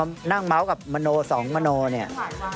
เราไม่ได้นั่งเมาส์กับมโน๒มโนเนี่ย